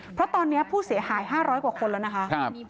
เพราะตอนนี้ผู้เสียหาย๕๐๐กว่าคนแล้วนะคะ